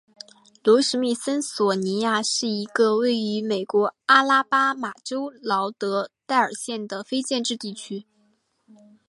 罗史密森索尼亚是一个位于美国阿拉巴马州劳德代尔县的非建制地区。